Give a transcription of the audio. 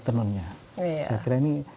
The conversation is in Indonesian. tenunnya saya kira ini